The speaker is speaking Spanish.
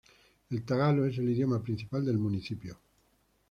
El tagalo es el idioma principal del municipio.